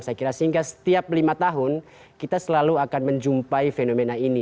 saya kira sehingga setiap lima tahun kita selalu akan menjumpai fenomena ini